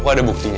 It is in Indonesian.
aku ada buktinya